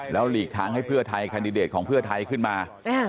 หลีกทางให้เพื่อไทยแคนดิเดตของเพื่อไทยขึ้นมา